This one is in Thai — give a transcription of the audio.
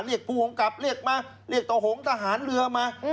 เรียกภูโหงกลับเรียกต่อโหงทหารเรือมา